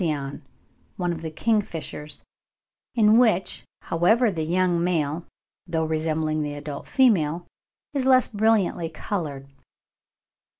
133) of Cyanalcyon (one of the Kingfishers), in which, however, the young male, though resembling the adult female, is less brilliantly coloured.